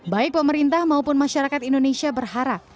baik pemerintah maupun masyarakat indonesia berharap